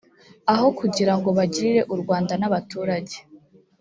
aho kugira ngo bagirire u rwanda n abaturage